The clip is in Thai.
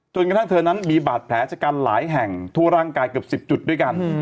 จนกระทั่งเธอนั้นมีบาดแผลชะกันหลายแห่งทั่วร่างกายเกือบ๑๐จุดด้วยกัน